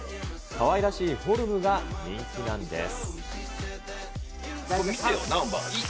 かわいらしいフォルムが人気なんです。